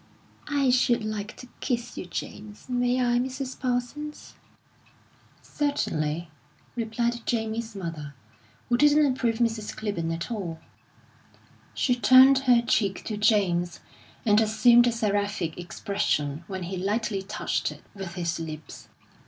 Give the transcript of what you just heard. "I should like to kiss you, James. May I, Mrs. Parsons?" "Certainly," replied Jamie's mother, who didn't approve of Mrs. Clibborn at all. She turned her cheek to James, and assumed a seraphic expression while he lightly touched it with his lips.